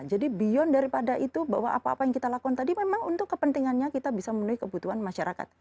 jadi beyond daripada itu bahwa apa apa yang kita lakukan tadi memang untuk kepentingannya kita bisa menuhi kebutuhan masyarakat